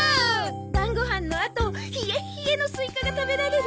晩ご飯のあと冷え冷えのスイカが食べられる。